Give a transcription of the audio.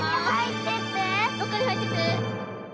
どっかにはいってて。